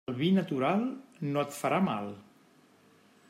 El vi natural no et farà mal.